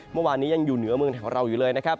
เมื่อวานนี้ยังอยู่เหนือเมืองแถวเราอยู่เลยนะครับ